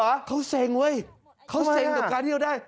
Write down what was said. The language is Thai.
เอ้าเข้าเส้งเว่ยเข้าเส้นตัวใจที่จะได้